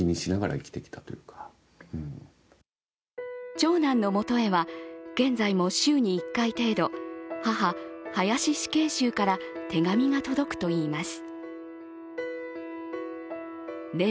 長男の元へは、現在も週に１回程度、母・林死刑囚から手紙が届くといいます。